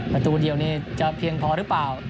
ประตูเดียวนี่จะเพียงพอหรือเปล่า